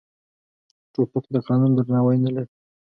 توپک د قانون درناوی نه لري.